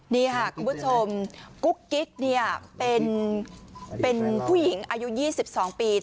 นี่ค่ะคุณผู้ชมกุ๊กกิ๊กเนี่ยเป็นผู้หญิงอายุ๒๒ปี